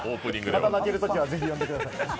また泣けるときはぜひ呼んでください。